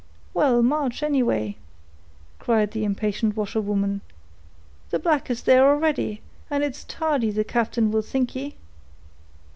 "Well, march, anyway," cried the impatient washerwoman. "The black is there already, and it's tardy the captain will think ye."